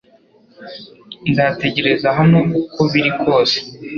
Nzategereza hano uko biri kose